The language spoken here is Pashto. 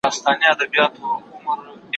په يوه ګل نه پسرلی کېږي!!